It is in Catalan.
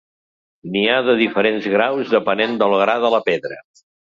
N'hi ha de diferents graus, depenent del gra de la pedra.